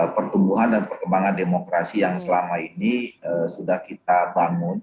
pertumbuhan dan perkembangan demokrasi yang selama ini sudah kita bangun